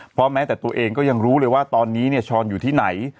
เพราะแม้แต่ตัวเองก็ยังรู้เลยว่าตอนนี้เนี่ยช้อนอยู่ที่ไหน